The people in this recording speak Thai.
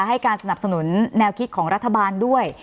ให้การสนับสนุนแนวคิดของรัฐบาลด้วย